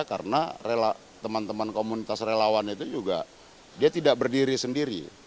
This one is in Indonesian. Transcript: karena teman teman komunitas relawan itu juga dia tidak berdiri sendiri